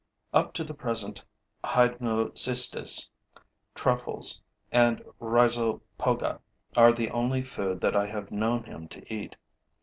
Up to the present, hydnocistes, truffles and rhizopoga are the only food that I have known him to eat.